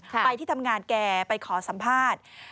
ไปที่ทำงานแกไปขอสัมภาษณ์